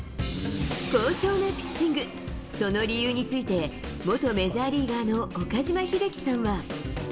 好調なピッチング、その理由について、元メジャーリーガーの岡島秀樹さんは。